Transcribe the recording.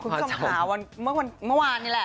คุณชมขาวเมื่อวานนี่แหละ